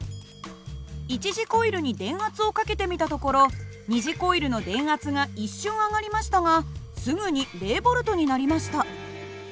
一次コイルに電圧をかけてみたところ二次コイルの電圧が一瞬上がりましたがすぐに０Ｖになりました。